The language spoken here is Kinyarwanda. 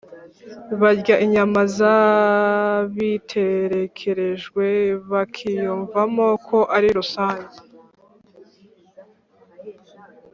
barya inyama zabiterekerejwe bakiyumvamo ko ari rusange